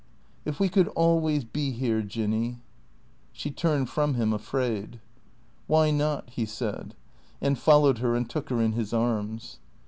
" If we could always be here. Jinny " She turned from him, afraid. "Why not?" he said, and followed her and took her in his arms.